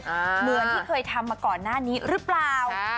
เหมือนที่เคยทำมาก่อนหน้านี้หรือเปล่า